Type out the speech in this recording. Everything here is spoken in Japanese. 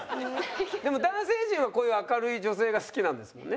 でも男性陣はこういう明るい女性が好きなんですもんね？